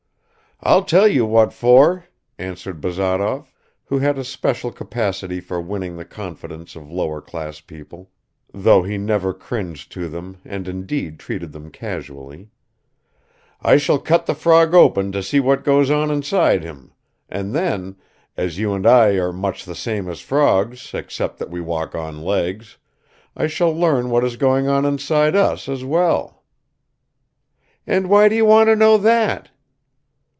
"I'll tell you what for," answered Bazarov, who had a special capacity for winning the confidence of lower class people, though he never cringed to them and indeed treated them casually; "I shall cut the frog open to see what goes on inside him, and then, as you and I are much the same as frogs except that we walk on legs, I shall learn what is going on inside us as well." "And why do you want to know that?"